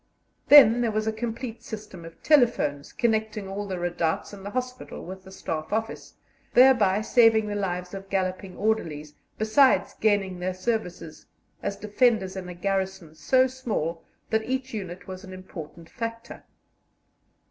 Then there was a complete system of telephones, connecting all the redoubts and the hospital with the Staff Office, thereby saving the lives of galloping orderlies, besides gaining their services as defenders in a garrison so small that each unit was an important factor.